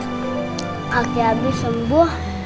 kaki abi sembuh